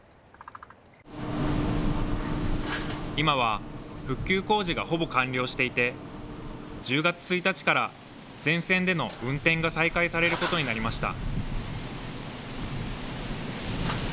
今は復旧工事がほぼ完了していて、１０月１日から全線での運転が再開されることになりました。